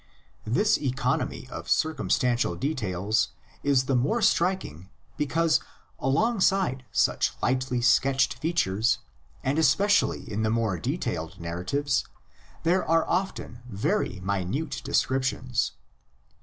This economy of circumstantial details is the more striking because alongside such lightly sketched features, and especially in the more detailed narratives, there are often very minute descriptions.